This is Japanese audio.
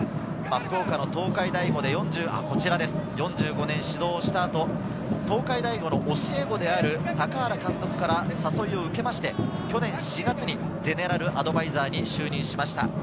福岡の東海大五で４５年指導した後、東海大五の教え子である、高原監督から誘いを受けて、去年４月にゼネラルアドバイザーに就任しました。